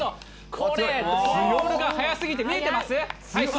これ、ボールが速すぎて、見えてます？